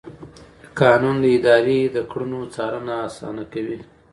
قانون د ادارې د کړنو څارنه اسانه کوي.